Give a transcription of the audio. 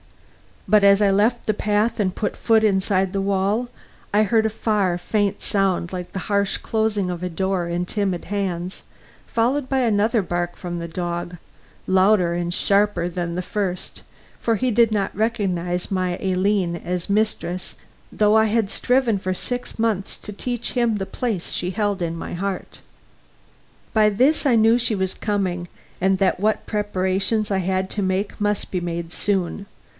But as I left the path and put foot inside the wall, I heard a far, faint sound like the harsh closing of a door in timid hands, followed by another bark from the dog, louder and sharper than the first for he did not recognize my Aline as mistress, though I had striven for six months to teach him the place she held in my heart. By this I knew she was coming, and that what preparations I had to make must be made soon.